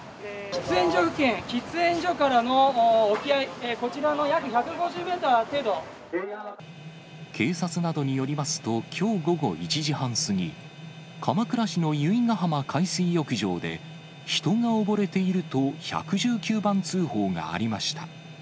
喫煙所からの沖合、こちらの警察などによりますと、きょう午後１時半過ぎ、鎌倉市の由比ガ浜海水浴場で、人が溺れていると１１９番通報がありました。